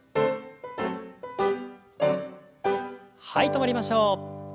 はい止まりましょう。